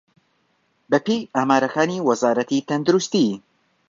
بەپێی ئامارەکانی وەزارەتی تەندروستی